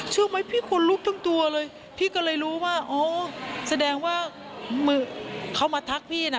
ไหมพี่คนลุกทั้งตัวเลยพี่ก็เลยรู้ว่าอ๋อแสดงว่าเขามาทักพี่นะ